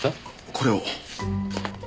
これを。